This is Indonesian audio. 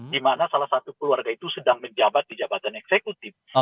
di mana salah satu keluarga itu sedang menjabat di jabatan eksekutif